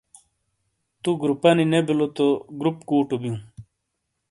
تو گروپانی نے بُولو تو گروپ کُوٹو بِیوں ۔